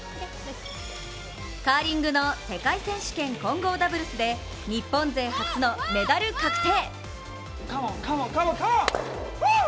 カーリングの世界選手権混合ダブルスで日本勢初のメダル確定！